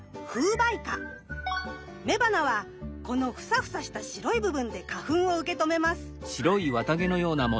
雌花はこのフサフサした白い部分で花粉を受け止めます。